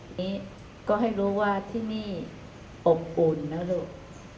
นี่ก็ให้รู้ว่าที่นี่อบอุ่นนะลูก